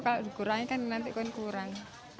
kalau dikurangi kan nanti kan kurang